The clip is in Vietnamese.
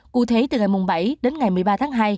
cụ thể từ ngày bảy đến ngày một mươi ba tháng hai